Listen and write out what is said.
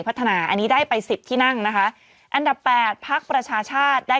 พัฒนาอันนี้ได้ไปสิบที่นั่งนะคะอันดับแปดพักประชาชาติได้